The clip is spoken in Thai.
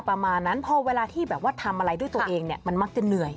ประมาณนั้นพอเวลาที่ทำอะไรด้วยตัวเองมันมักจะเหนื่อย